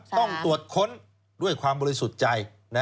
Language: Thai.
ต้องตรวจค้นด้วยความบริสุทธิ์ใจ